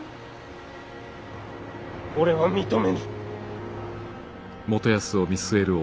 俺は認めぬ。